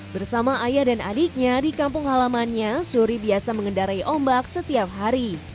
bersama ayah dan adiknya di kampung halamannya suri biasa mengendarai ombak setiap hari